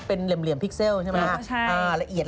เป็นเหลี่ยมพิกเซลใช่ไหมฮะ